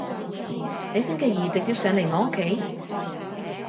你星期二直接上嚟我屋企